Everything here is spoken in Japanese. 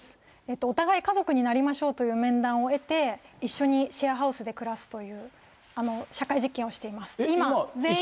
お互い家族になりましょうという面談を経て、一緒にシェアハウスで暮らすという社会実験をしています。